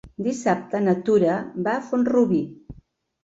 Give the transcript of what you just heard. Dissabte na Tura va a Font-rubí.